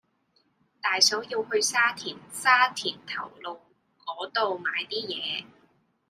大嫂要去沙田沙田頭路嗰度買啲嘢